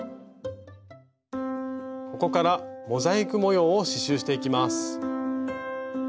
ここからモザイク模様を刺しゅうしていきます。